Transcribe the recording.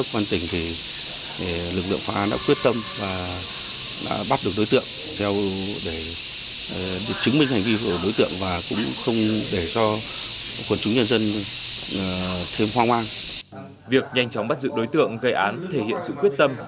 việc nhanh chóng bắt giữ đối tượng gây án thể hiện sự quyết tâm